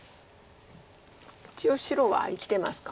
一応白は生きてますか。